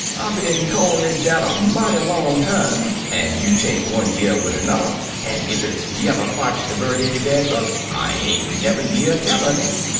I been callin' it dat a mighty long time, ef you take one year wid an'er, an' ef it's y'evcr fotch de bird any bad luck, I ain't never y'ear tell un it.